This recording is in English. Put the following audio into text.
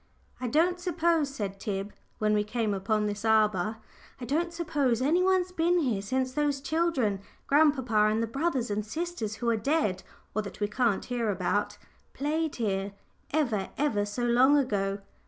"I don't suppose," said Tib, when we came upon this arbour, "I don't suppose any one's been here since those children grandpapa and the brothers and sisters who are dead, or that we can't hear about played here, ever, ever so long ago.